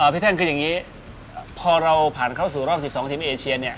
แท่นคืออย่างนี้พอเราผ่านเข้าสู่รอบ๑๒ทีมเอเชียเนี่ย